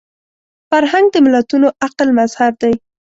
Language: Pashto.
فرهنګ د ملتونو عقل مظهر دی